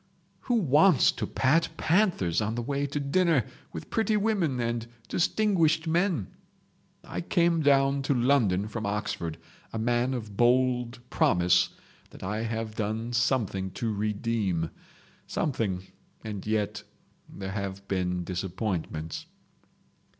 Who wants to pat panthers on the way to dinner with pretty women and distinguished men? I came down to London from Oxford, a man of bold promise that I have done something to redeem. Something—and yet there have been disappointments